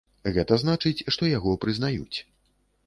Гэта значыць, што яго прызнаюць.